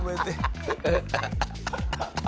ハハハハ！